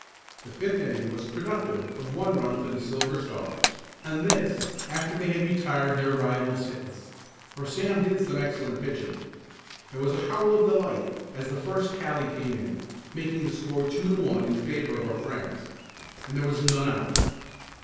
The fifth inning was productive of one run for the Silver Stars and this after they had retired their rivals hitless, for Sam did some excellent pitching. There was a howl of delight as the first tally came in, making the score two to one in favor of our friends. And there was none out.